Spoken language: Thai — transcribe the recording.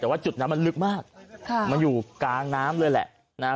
แต่ว่าจุดนั้นมันลึกมากค่ะมันอยู่กลางน้ำเลยแหละนะฮะ